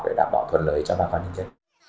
để đảm bảo thuận lợi cho ba con nhân chế